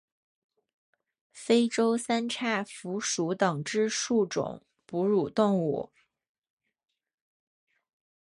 非洲三叉蝠属等之数种哺乳动物。